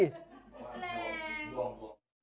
แรง